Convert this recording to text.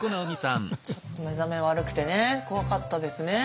ちょっと目覚め悪くてね怖かったですね。